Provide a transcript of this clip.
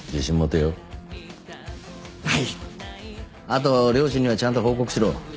あと両親にはちゃんと報告しろ。